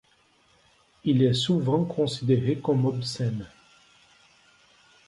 Il est souvent considéré comme obscène.